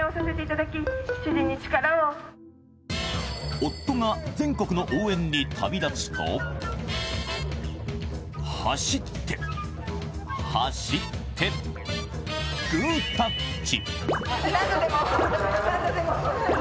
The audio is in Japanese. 夫が全国の応援に旅立つと、走って走ってグータッチ。